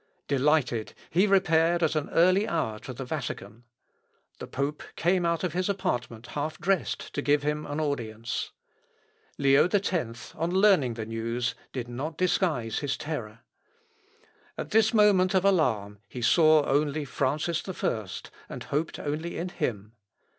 Delighted, he repaired at an early hour to the Vatican. The pope came out of his apartment half dressed to give him an audience. Leo X, on learning the news, did not disguise his terror. At this moment of alarm he saw only Francis I, and hoped only in him.